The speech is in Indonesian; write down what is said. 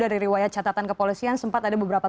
dari riwayat catatan kepolisian sempat ada beberapa